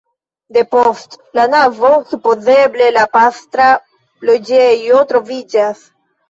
Depost la navo supozeble la pastra loĝejo troviĝas.